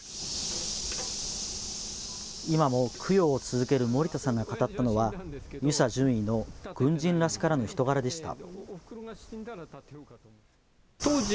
今も供養を続ける森田さんが語ったのは遊佐准尉の軍人らしからぬ人柄でした。